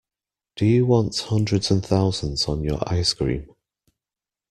Do you want hundreds and thousands on your ice cream?